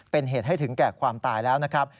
เป็นเหตุให้ถึงแก่ความตายแล้วนะครับ